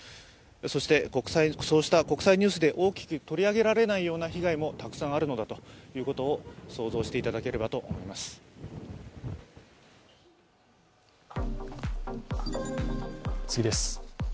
そうした国際ニュースで大きく取り上げられないような被害もたくさんあるのだということを想像していただければと思います。